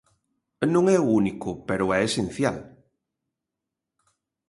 Non é o único, pero é esencial.